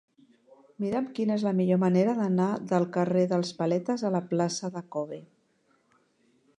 Mira'm quina és la millor manera d'anar del carrer dels Paletes a la plaça de K-obe.